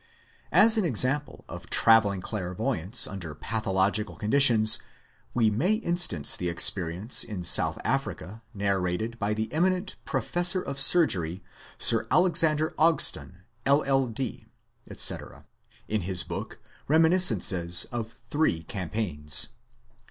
As an example of travelling clairvoyance under pathological conditions we may instance the experience in South Africa nar rated by the eminent Professor of Surgery, Sir Alexander Og ston, LL.D., etc., in his book Reminiscences of Three Campaigns.